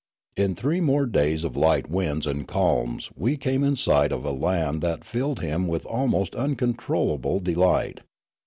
In three more days of light winds and calms we came in sight of a land that filled him with almost uncontrollable de light.